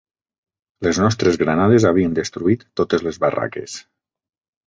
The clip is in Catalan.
Les nostres granades havien destruït totes les barraques